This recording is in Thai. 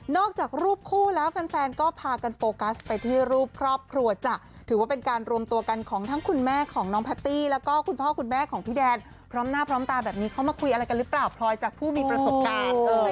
จากรูปคู่แล้วแฟนก็พากันโฟกัสไปที่รูปครอบครัวจ้ะถือว่าเป็นการรวมตัวกันของทั้งคุณแม่ของน้องแพตตี้แล้วก็คุณพ่อคุณแม่ของพี่แดนพร้อมหน้าพร้อมตาแบบนี้เข้ามาคุยอะไรกันหรือเปล่าพลอยจากผู้มีประสบการณ์